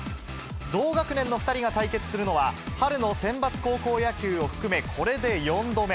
同学年の２人が対決するのは、春のセンバツ高校野球を含めこれで４度目。